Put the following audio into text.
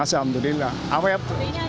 masih alhamdulillah awet